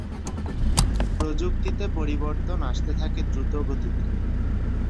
প্রযুক্তিতে পরিবর্তন আসতে থাকে দ্রুতগতিতে।